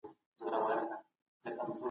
هغه د ځواکونو رهبر و